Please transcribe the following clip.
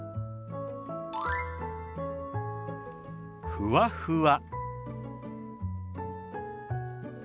「ふわふわ」。